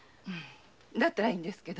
だったらいいんですけど。